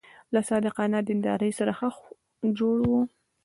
له صادقانه دیندارۍ سره ښه جوړ و.